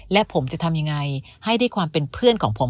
และผมจะทำยังไงให้ด้วยความเป็นเพื่อนของผม